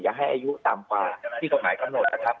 ให้อายุต่ำกว่าที่กฎหมายกำหนดนะครับ